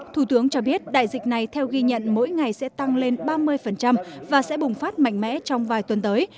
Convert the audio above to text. thủ tướng cho biết đại dịch này theo ghi nhận mỗi ngày sẽ tăng lên ba mươi và sẽ bùng phát mạnh mẽ trong vài tuần tới